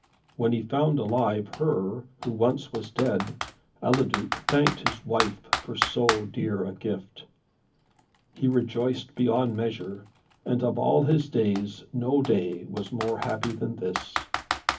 When he found alive, her, who once was dead, Eliduc thanked his wife for so dear a gift. He rejoiced beyond measure, and of all his days, no day was more happy than this.